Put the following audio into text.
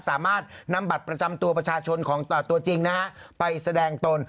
สามารถนำบัตรประจำตัวประชาชนของตัวจริงนะฮะไปแสดงตน